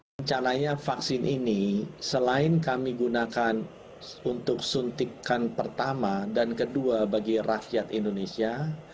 rencananya vaksin ini selain kami gunakan untuk suntikan pertama dan kedua bagi rakyat indonesia